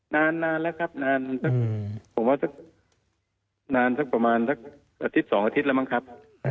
นานแล้วครับนานสักประมาณสักอาทิตย์๒อาทิตย์แล้วมั้งครับ